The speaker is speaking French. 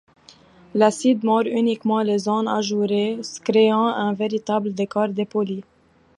L’acide mord uniquement les zones ajourées, créant un véritable décor dépoli.